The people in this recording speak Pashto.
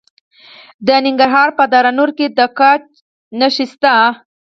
د ننګرهار په دره نور کې د ګچ نښې شته.